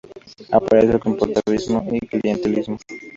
Aparece el corporativismo y clientelismo.